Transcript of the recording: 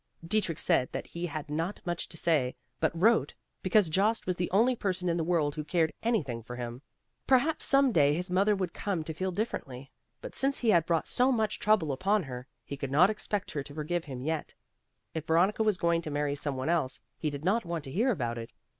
Dietrich said that he had not much to say, but wrote because Jost was the only person in the world who cared anything for him. Perhaps some day his mother would come to feel differently; but since he had brought so much trouble upon her, he could not expect her to forgive him yet. If Veronica was going to marry some one else, he did not want to hear about it.